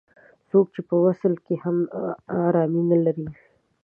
څوک چې په وصل کې هم ارامي نه لري.